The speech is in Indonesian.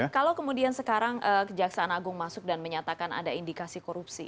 kalau kemudian sekarang kejaksaan agung masuk dan menyatakan ada indikasi korupsi